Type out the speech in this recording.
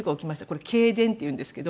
これ警電っていうんですけど。